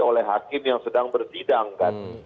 oleh hakim yang sedang bersidangkan